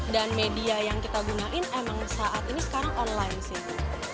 dan media yang kita gunain emang saat ini sekarang online sih